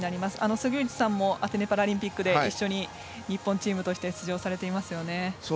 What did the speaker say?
杉内さんもアテネパラリンピックで一緒に日本チームとして出場されていますよね。